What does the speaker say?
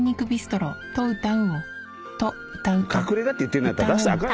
隠れ家って言ってんのやったら出したらあかん